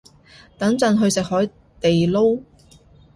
等陣去食海地撈